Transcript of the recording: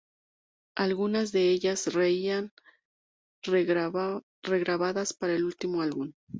Algunas de ellas serían re-grabadas para el último álbum.